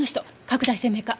拡大鮮明化。